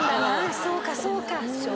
そうかそうか。